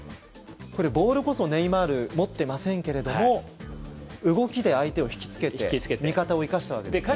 ボールこそネイマール、持っていませんけど動きで相手を引きつけて味方を生かしたわけですね。